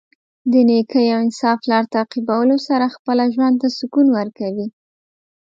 د نېکۍ او انصاف لار تعقیبولو سره خپله ژوند ته سکون ورکوي.